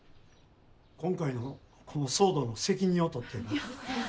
今回のこの騒動の責任を取ってやな。